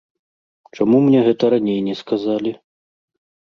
Чаму мне гэта раней не сказалі?!